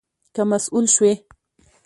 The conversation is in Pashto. که مسؤول شوې